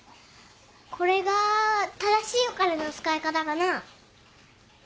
これが正しいお金の使い方かな？